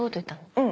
うん。